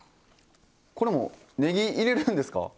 これもねぎ入れるんですか？